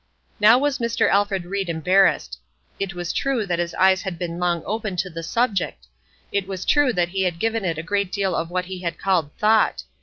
Now was Mr. Alfred Ried embarrassed. It was true that his eyes had been long open to the subject; it was true that he had given it a great deal of what he had called thought.